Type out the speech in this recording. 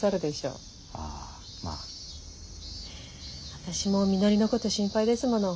私もみのりのこと心配ですもの。